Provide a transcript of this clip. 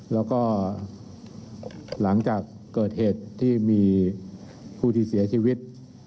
แล้วก็หลังจากเกิดเหตุที่มีผู้ที่เสียชีวิต